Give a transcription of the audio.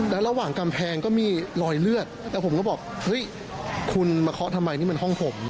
แล้วระหว่างกำแพงก็มีรอยเลือดแต่ผมก็บอกเฮ้ยคุณมาเคาะทำไมนี่มันห้องผม